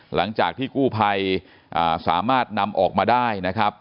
หลังจากที่กู้ภัยสามารถนำออกมาได้นะครับ